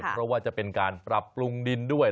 เพราะว่าจะเป็นการปรับปรุงดินด้วย